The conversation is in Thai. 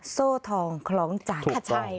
โซ่ธองคล้องจานคัดใช้